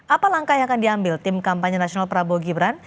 apa langkah yang akan diambil tim kampanye nasional prabowo gibran